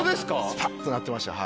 すぱっとなってました。